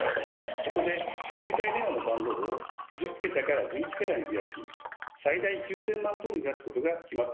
そこで携帯電話の番号を１０桁から１１桁に増やし最大９，０００万通りに増やすことが決まったんです。